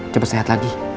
cepet sehat lagi